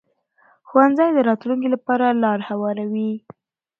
ښوونځی د راتلونکي لپاره لار هواروي